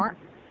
có có ạ